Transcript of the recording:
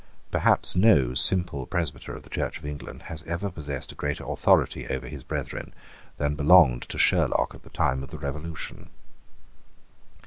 Perhaps no simple presbyter of the Church of England has ever possessed a greater authority over his brethren than belonged to Sherlock at the time of the Revolution.